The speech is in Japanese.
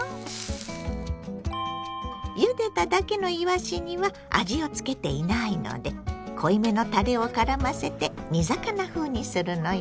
ゆでただけのいわしには味をつけていないので濃いめのたれをからませて煮魚風にするのよ。